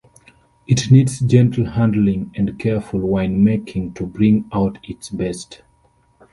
It needs gentle handling and careful winemaking to bring out its best.